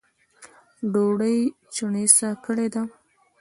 ډوډۍ چڼېسه کړې ده